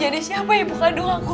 jadi siapa yang bukan anak kandung aku